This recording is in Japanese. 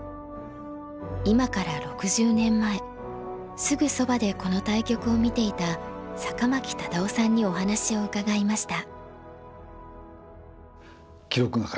今から６０年前すぐそばでこの対局を見ていた酒巻忠雄さんにお話を伺いました。